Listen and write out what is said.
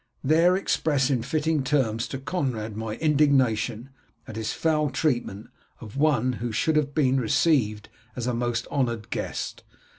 There express in fitting terms to Conrad my indignation at his foul treatment of one who should have been received as a most honoured guest.